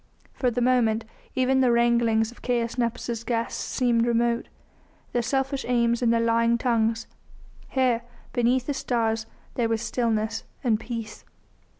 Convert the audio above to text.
For the moment even the wranglings of Caius Nepos' guests seemed remote, their selfish aims and their lying tongues. Here, beneath the stars, there was stillness and peace.